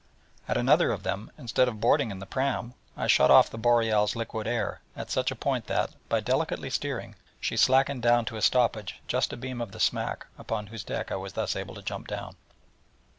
At another of them, instead of boarding in the pram, I shut off the Boreal's liquid air at such a point that, by delicate steering, she slackened down to a stoppage just a beam of the smack, upon whose deck I was thus able to jump down.